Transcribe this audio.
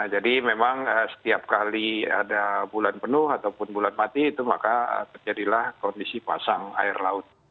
jadi memang setiap kali ada bulan penuh ataupun bulan mati itu maka terjadilah kondisi pasang air laut